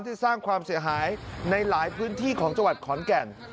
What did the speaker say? ที่สร้างความเสียหายในหลายพื้นที่ของจังหวัดขอนแก่น